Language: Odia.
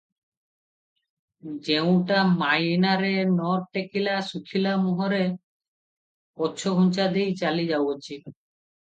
ଯେଉଁଟା ମାଇନାରେ ନ ଟେକିଲା ଶୁଖିଲା ମୁହଁରେ ପଛଘୁଞ୍ଚା ଦେଇ ଚାଲି ଯାଉଅଛି ।